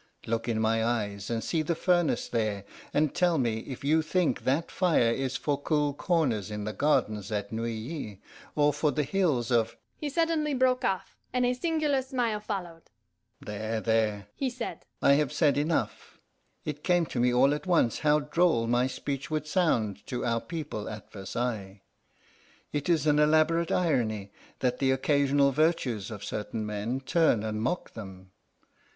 Look in my eyes, and see the furnace there, and tell me if you think that fire is for cool corners in the gardens at Neuilly or for the Hills of " He suddenly broke off, and a singular smile followed. "There, there," he said, "I have said enough. It came to me all at once how droll my speech would sound to our people at Versailles. It is an elaborate irony that the occasional virtues of certain men turn and mock them.